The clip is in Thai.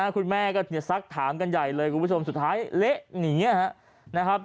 คุณแม่ก็สักถามกันใหญ่เลยสุดท้ายเละเหนียว